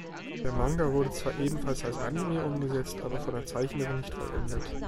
Der Manga wurde zwar ebenfalls als Anime umgesetzt, aber von der Zeichnerin nicht vollendet.